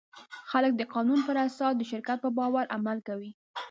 خلک د قانون پر اساس د شرکت په باور عمل کوي.